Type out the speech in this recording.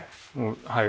はい。